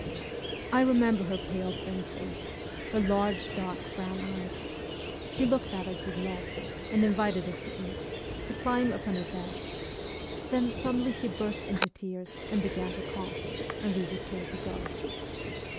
I remember her pale thin face, her large, dark brown eyes. She looked at us with love, and invited us to eat, to climb upon her bed ; then suddenly she burst into tears and began to cough, and we were told to go.